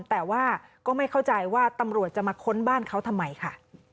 แต่ว่าก็ไม่เข้าใจว่าตำรวจจะมาค้นบ้านเขาทำไมค่ะ